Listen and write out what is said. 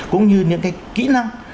cũng như những cái kỹ năng